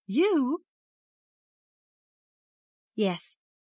'You!' 'Yes.